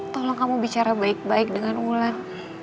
tolong kamu bicara baik baik dengan wulan